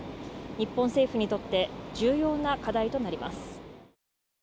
日本政府にとって重要な課題となります。